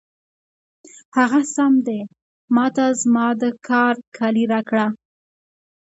هغه سم دی، ما ته زما د کار کالي راکړه.